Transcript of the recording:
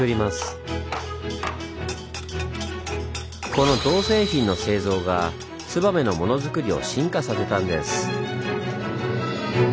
この銅製品の製造が燕のモノづくりを進化させたんです。